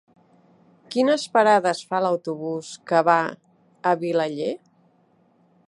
Quines parades fa l'autobús que va a Vilaller?